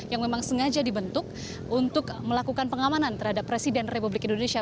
yang memang sengaja dibentuk untuk melakukan pengamanan terhadap presiden republik indonesia